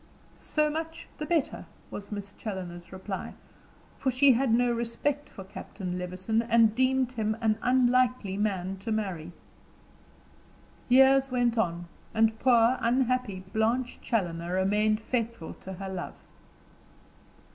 "So much the better," was Miss Challoner's reply; for she had no respect for Captain Levison, and deemed him an unlikely man to marry. Years went on, and poor, unhappy Blanche Challoner remained faithful to her love.